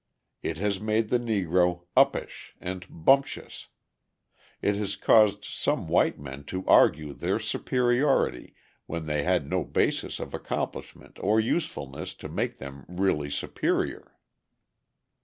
It has made the Negro "uppish" and "bumptious"; it has caused some white men to argue their superiority when they had no basis of accomplishment or usefulness to make them really superior.